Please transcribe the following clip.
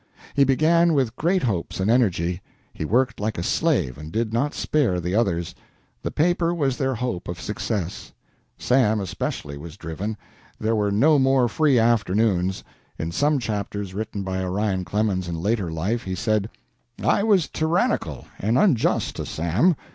He began with great hopes and energy. He worked like a slave and did not spare the others. The paper was their hope of success. Sam, especially, was driven. There were no more free afternoons. In some chapters written by Orion Clemens in later life, he said: "I was tyrannical and unjust to Sam.